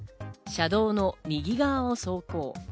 車道の右側を走行。